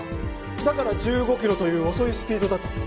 だから１５キロという遅いスピードだったんだ。